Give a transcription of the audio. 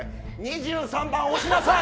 ２３番、押しなさい。